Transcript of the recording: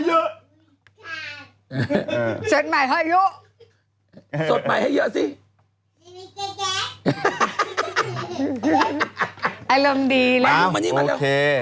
เยอะสดใหม่ให้เยอะสดใหม่ให้เยอะสิอารมณ์ดีเลยมานี่มาแล้วโอเค